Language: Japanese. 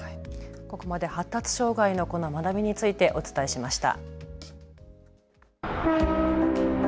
ここまで発達障害の子の学びについてお伝えしました。